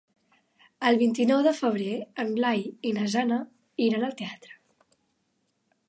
El vint-i-nou de febrer en Blai i na Jana iran al teatre.